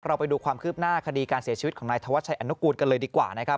ไปดูความคืบหน้าคดีการเสียชีวิตของนายธวัชชัยอนุกูลกันเลยดีกว่านะครับ